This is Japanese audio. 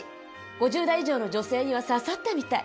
５０代以上の女性には刺さったみたい。